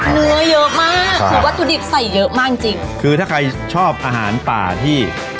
เนื้อเยอะมากคือวัตถุดิบใส่เยอะมากจริงจริงคือถ้าใครชอบอาหารป่าที่